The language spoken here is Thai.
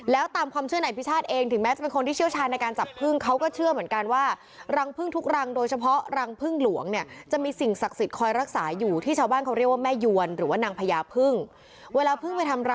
แล้วตามความเชื่อในพิชาติเองถึงแม้จะเป็นคนที่เชี่ยวชาญในการจับพึ่งเขาก็เชื่อเหมือนกันว่า